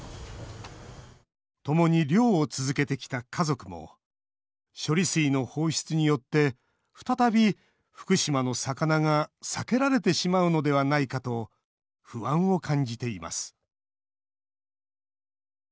ともに漁を続けてきた家族も処理水の放出によって再び、福島の魚が避けられてしまうのではないかと不安を感じています